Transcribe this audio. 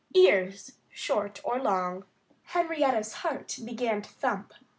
XIV EARS SHORT OR LONG Henrietta Hen's heart began to thump.